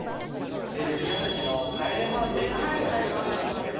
テレビ朝日の『帰れマンデー』っていう番組の者なんですけど。